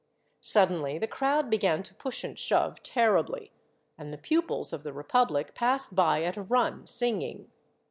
Suddenly the crowd began to push and shove terribly, and the pupils of the Republic passed by at a run, singing.